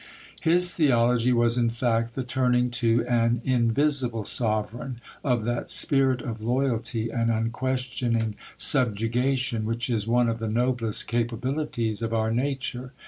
His theology, was, in fact, the turning to an invisible Sovereign of that spirit of loyalty and unquestioning subjugation which is one of the noblest capabilities of our nature.